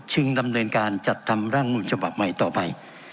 จึงทำเนินการจัดทำรัฐธรรมนูญเฉพาะใหม่ต่อไป